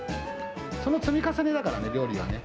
その積み重ねだからね、料理はね。